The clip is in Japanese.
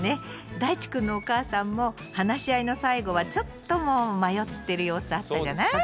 だいちくんのお母さんも話し合いの最後はちょっともう迷ってる様子あったじゃない？